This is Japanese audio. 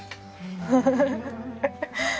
アハハハ。